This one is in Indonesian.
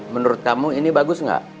menurut kamu ini bagus nggak